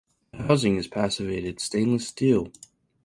The housing is passivated stainless steel.